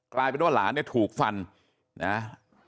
กลายเป็นว่าหลานเนี่ยถูกฟันนะ